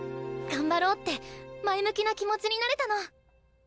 頑張ろうって前向きな気持ちになれたの。